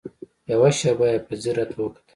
يوه شېبه يې په ځير راته وکتل.